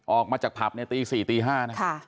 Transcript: ออกมาจากผับในตีสี่ตีห้านะ